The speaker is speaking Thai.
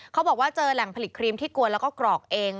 เขาบอกว่าเจอแหล่งผลิตครีมที่กวนแล้วก็กรอกเอง